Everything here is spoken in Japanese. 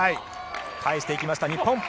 返していきました、日本。